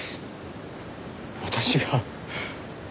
私が？